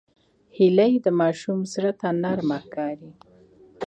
هیلۍ د ماشوم زړه ته نرمه ښکاري